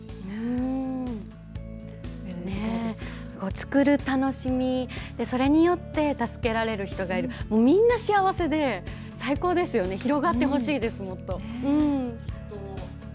作る楽しみそれによって助けられる人がいるみんな幸せで最高ですよね広がってほしいですもっと。